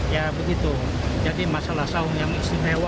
ya begitu jadi masalah saung yang istimewa